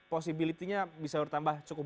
posibilitinya bisa bertambah cukup